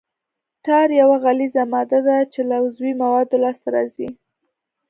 ټار یوه غلیظه ماده ده چې له عضوي موادو لاسته راځي